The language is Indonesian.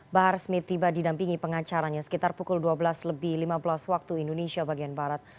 bahar smith tiba didampingi pengacaranya sekitar pukul dua belas lebih lima belas waktu indonesia bagian barat